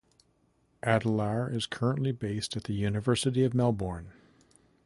Adelaar is currently based at the University of Melbourne.